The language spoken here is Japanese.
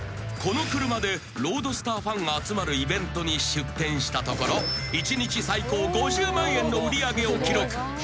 ［この車でロードスターファンが集まるイベントに出店したところ一日最高５０万円の売り上げを記録］